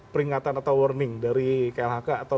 peringatan atau warning dari klhk atau